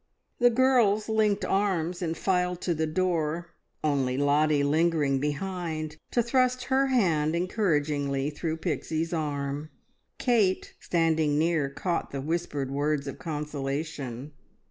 The girls linked arms and filed to the door, only Lottie lingering behind to thrust her hand encouragingly through Pixie's arm. Kate, standing near, caught the whispered words of consolation.